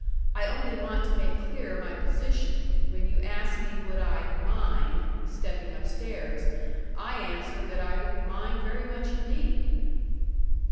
I only want to make clear my position when you ask me would I mind stepping upstairs, I, answer that I would mind very much indeed."